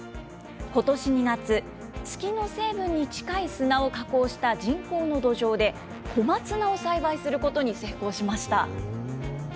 ことし２月、月の成分に近い砂を加工した人工の土壌で、小松菜を栽培することに成功しました。